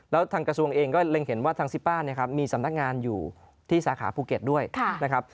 แล้วทางกระทรวงเองก็เล็งเห็นว่าทางซิป้าเนี่ยครับมีสำนักงานอยู่ที่สาขาภูเก็ตด้วยนะครับ